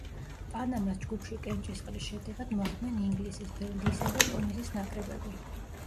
პანამას ჯგუფში კენჭისყრის შედეგად მოხვდნენ ინგლისის, ბელგიის და ტუნისის ნაკრებები.